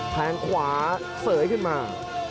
แทงขวาเสยขึ้นมา